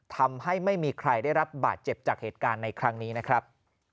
ทำให้ไม่มีใครได้รับบาดเจ็บจากเหตุการณ์ในครั้งนี้นะครับ